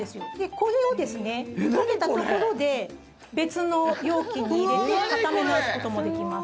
これを溶けたところで別の容器に入れて固め直すこともできます。